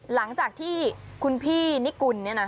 หลังจากที่คุณพี่นิกุลเนี่ยนะ